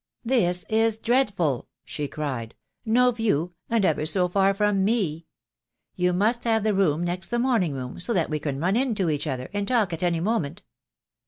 "This is dreadful," she cried, "no view, and ever so far from me! You must have the room next the morn ing room, so that we can run in to each other, and talk at any moment."